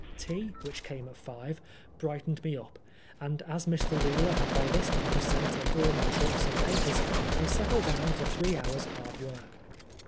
Tea, which came at five, brightened me up, and as Mr. Whealer had by this time sent in all my books and papers, I settled down to three hours' hard work.